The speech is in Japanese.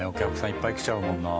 いっぱい来ちゃうもんな。